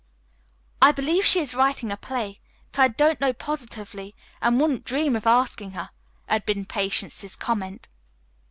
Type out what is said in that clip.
"I believe she is writing a play, but I don't know positively and I wouldn't dream of asking her," had been Patience's comment.